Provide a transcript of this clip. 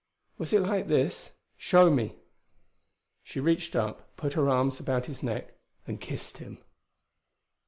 Was it like this? Show me." She reached up, put her arms about his neck and kissed him!